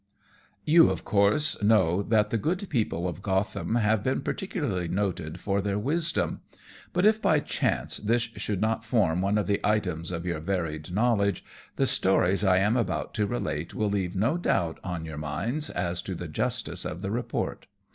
_ You, of course, know that the good people of Gotham have been particularly noted for their wisdom; but if, by chance, this should not form one of the items of your varied knowledge, the stories I am about to relate will leave no doubt on your minds as to the justice of the report.